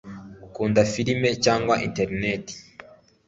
Akunda film cyangwa interineti.